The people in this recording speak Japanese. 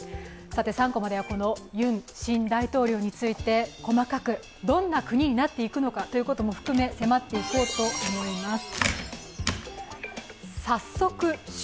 ３コマではこのユン新大統領について細かく、どんな国になっていくのかも含め迫っていこうと思います。